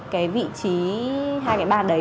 cái vị trí hai cái bàn đấy